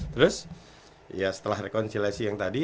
terus ya setelah rekonsiliasi yang tadi